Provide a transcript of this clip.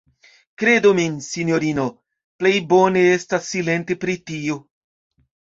Kredu min, sinjorino, plej bone estas silenti pri tio.